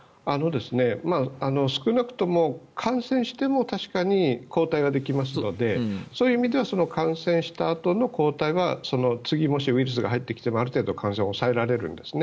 少なくとも感染しても確かに抗体はできますのでそういう意味では感染したあとの抗体は次、もしウイルスが入ってきてもある程度感染は抑えられるんですね。